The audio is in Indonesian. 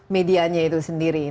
medianya itu sendiri